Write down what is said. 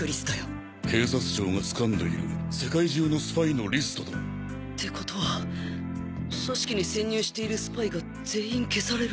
警察庁がつかんでいる世界中のスパイのリストだ。ってことは「組織」に潜入しているスパイが全員消される。